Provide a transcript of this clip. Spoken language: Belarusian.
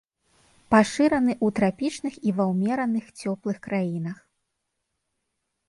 Пашыраны ў трапічных і ва ўмераных цёплых краінах.